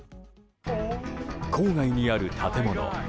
郊外にある建物。